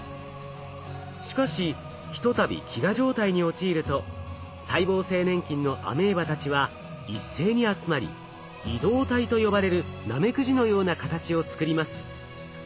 しかしひとたび飢餓状態に陥ると細胞性粘菌のアメーバたちは一斉に集まり移動体と呼ばれるナメクジのような形を作ります。